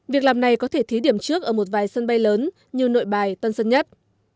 việc làm này có thể thí điểm trước ở một vài sân bay lớn như nội bài tân sơn nhất